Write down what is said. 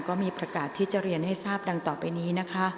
ก็มีประกาศที่จะเรียนให้ทราบดังต่อไปนี้นะคะ